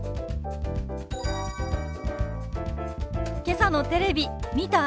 けさのテレビ見た？